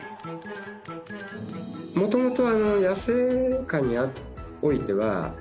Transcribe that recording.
もともと。